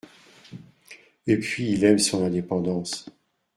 Et puis il aime son indépendance